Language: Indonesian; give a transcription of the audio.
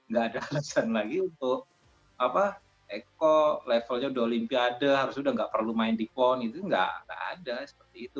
gak ada alasan lagi untuk eko levelnya udah olimpiade harus udah nggak perlu main di pon itu nggak ada seperti itu